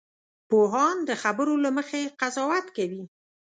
پوهان د خبرو له مخې قضاوت کوي